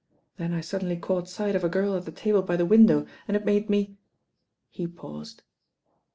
Then I suddenly caught sight of a girl at the table by the window, and it made me " he paused.